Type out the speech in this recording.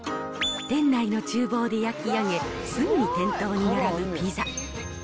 店内のちゅう房で焼き上げ、すぐに店頭に並ぶピザ。